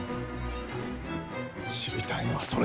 知りたいのはそれだッ！